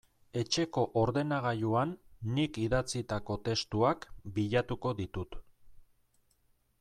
Etxeko ordenagailuan nik idatzitako testuak bilatuko ditut.